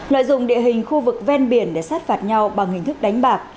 lợi dụng địa hình khu vực ven biển để sát phạt nhau bằng hình thức đánh bạc